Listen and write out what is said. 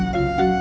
bapak juga begitu